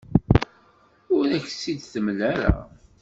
Ur ak-tt-id-temla ara.